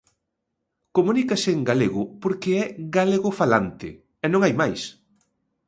Comunícase en galego porque é "galegofalante" e non hai máis.